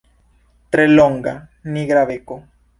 Tre longa, nigra beko.